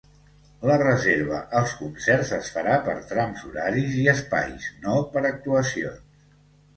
La reserva als concerts es farà per trams horaris i espais, no per actuacions.